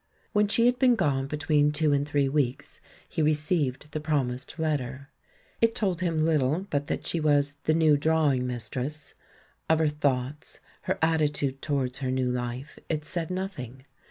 When she had been gone between two and three weeks, he received the promised letter. It told him little but that she was "the new drawing mistress"; of her thoughts, her attitude towards her new life, it said nothing.